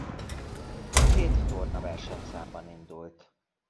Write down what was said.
Két torna versenyszámban indult.